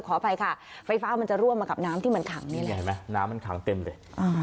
ขออภัยค่ะไฟฟ้ามันจะร่วงมากับน้ำที่มันขังนี่แหละเห็นไหมน้ำมันขังเต็มเลย